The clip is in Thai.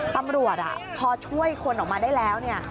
ตำรวจพอช่วยคนออกมาได้แล้วเนี่ย